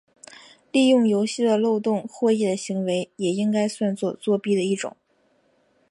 利用游戏的漏洞获益的行为也应该算作作弊的一种。